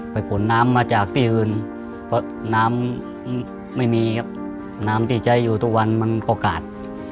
ผลน้ำมาจากที่อื่นเพราะน้ำไม่มีครับน้ำที่ใช้อยู่ทุกวันมันก็กาด